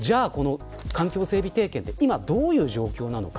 環境整備点検は今どういう状況なのか。